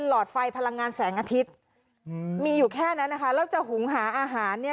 หลอดไฟพลังงานแสงอาทิตย์อืมมีอยู่แค่นั้นนะคะแล้วจะหุงหาอาหารเนี่ย